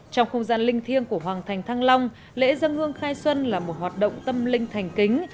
trong không gian linh thiêng của hoàng thành thăng long lễ dân hương khai xuân là một hoạt động tâm linh thành kính